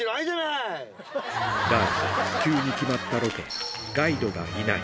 だが、急に決まったロケ、ガイドがいない。